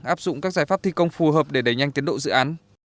áp dụng các giải pháp thi công phù hợp để đẩy nhanh tiến độ dự án